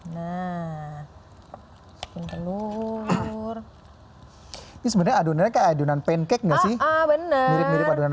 nah telur telur ini sebenarnya adonan kayak adonan pancake nggak sih bener bener adonan